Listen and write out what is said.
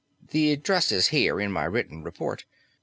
The address is here, in my written report.